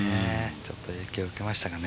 ちょっと影響を受けましたかね。